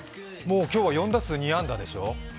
今日は４打数２安打でしょう。